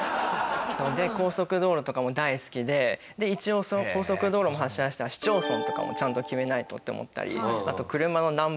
高速道路とかも大好きで一応高速道路も走らせたら市町村とかもちゃんと決めないとって思ったりあと車のナンバーエリア